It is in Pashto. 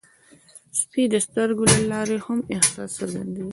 سپي د سترګو له لارې هم احساس څرګندوي.